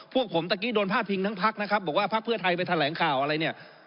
พวกผมตะกี้โดนพาดพิงทั้งพักนะครับบอกว่าพักเพื่อไทยไปแถลงข่าวอะไรเนี่ย